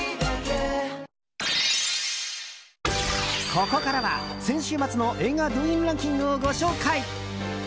ここからは先週末の映画動員ランキングをご紹介。